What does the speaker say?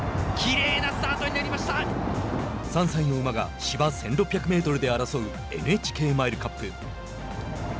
３歳の馬が芝１６００メートルで争うＮＨＫマイルカップ。